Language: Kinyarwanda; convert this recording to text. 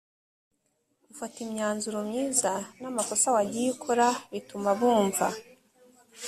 ufata imyanzuro myiza n amakosa wagiye ukora bituma bumva